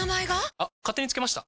あ勝手につけました。